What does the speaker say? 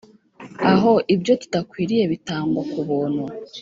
aho ibyo tudakwiriye bitangwa kubuntu